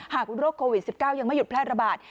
โรคโควิด๑๙ยังไม่หยุดแพร่ระบาด